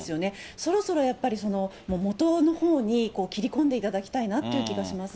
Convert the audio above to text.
そろそろやっぱり元のほうに切り込んでいただきたいなっていう気がします。